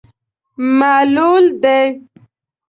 معلول دی.